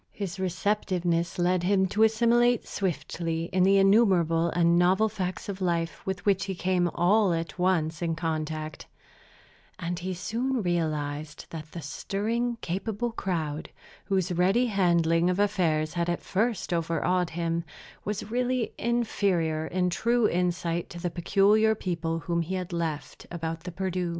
His receptiveness led him to assimilate swiftly the innumerable and novel facts of life with which he came all at once in contact; and he soon realized that the stirring, capable crowd, whose ready handling of affairs had at first overawed him, was really inferior in true insight to the peculiar people whom he had left about the Perdu.